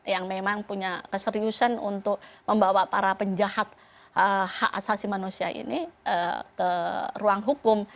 yang memang punya keseriusan untuk membawa para penjahat hak asasi manusia ini ke ruang hukum